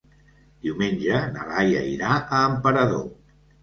Diumenge na Laia irà a Emperador.